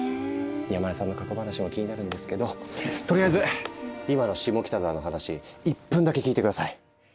山根さんの過去話も気になるんですけどとりあえず今の下北沢の話１分だけ聞いて下さい。